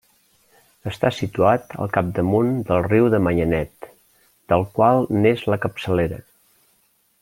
Està situat al capdamunt del riu de Manyanet, del qual n'és la capçalera.